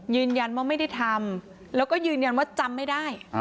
ยืนยันว่าไม่ได้ทำแล้วก็ยืนยันว่าจำไม่ได้